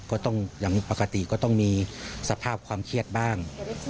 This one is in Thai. ก็ต้องอย่างปกติก็ต้องมีสภาพความเครียดบ้าง